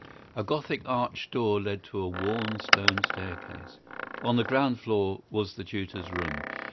A Gothic arched door led to a worn stone staircase. On the ground floor was the tutor's room.